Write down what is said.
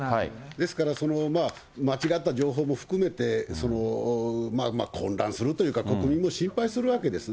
ですから間違った情報も含めて、混乱するというか、国民も心配するわけです。